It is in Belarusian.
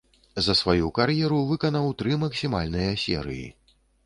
За сваю кар'еру выканаў тры максімальныя серыі.